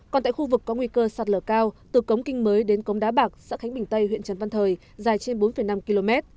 còn tại khu vực có nguy cơ sạt lở cao từ cống kinh mới đến cống đá bạc xã khánh bình tây huyện trần văn thời dài trên bốn năm km